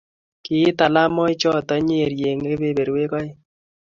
kiit talamoichoto Nyeri eng kebeberwek aeng